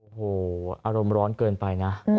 โอ้โหอารมณ์ร้อนเกินไปนะ